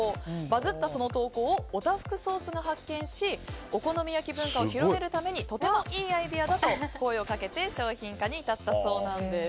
バズったその投稿をオタフクソースが発見しお好み焼き文化を広めるためにとてもいいアイデアだと声をかけて商品化に至ったそうなんです。